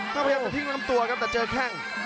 ก็พยายามจะทิ้งลำตัวครับแต่เจอแข้ง